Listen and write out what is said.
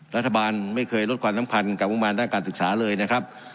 รัฐบาลไม่เคยลดความสำคัญกับมุมมันในการศึกษาเลยนะครับ